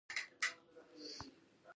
چې څوک درسره مینه لري .